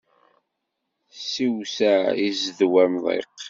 Siwseɛ i zzedwa amḍiq.